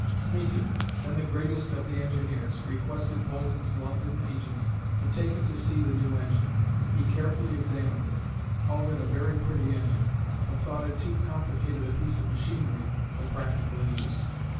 Smeaton, then the greatest of the engineers, requested Boulton's London agent to take him to see the new engine. He carefully examined it, called it a "very pretty engine," but thought it too complicated a piece of machinery for practical use.